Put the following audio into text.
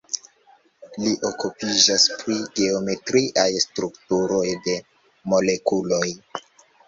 Li okupiĝas pri geometriaj strukturoj de molekuloj.